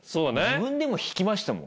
自分でも引きましたもん。